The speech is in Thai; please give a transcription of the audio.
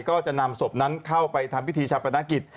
ก็จะนำศพนั้นเข้าไปทำพิธีชาปนกิจ